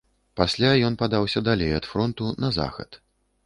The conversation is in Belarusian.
Пасля ён падаўся далей ад фронту, на захад.